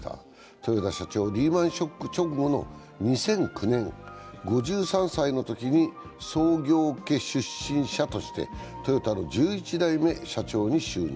豊田社長、リーマン・ショック直後の２００９年、５３歳のときに創業家出身者としてトヨタの１１代目社長に就任。